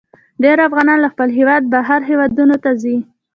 ډیرې افغانان له خپل هیواده بهر هیوادونو ته ځي.